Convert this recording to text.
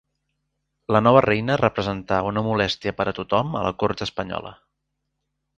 La nova reina representà una molèstia per a tothom a la cort espanyola.